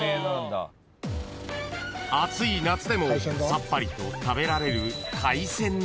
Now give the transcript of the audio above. ［暑い夏でもさっぱりと食べられる］